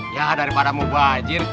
ya daripada mau bajir